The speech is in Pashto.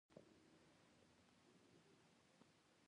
په هغه ټولنه کښي، چي بېوزله ژوند کوي، ښتمن ئې مجرمان يي.